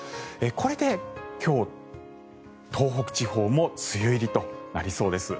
これで今日、東北地方も梅雨入りとなりそうです。